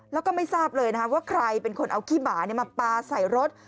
แล้วก็ไม่ทราบเลยว่าใครเป็นคนเอาขี้หมามาปลาใส่รถ